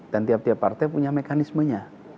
dan tiap tiap partai punya mekanismenya